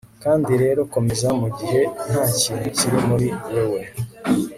Kandi rero komeza mugihe ntakintu kiri muri wewe